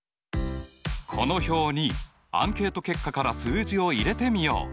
この表にアンケート結果から数字を入れてみよう。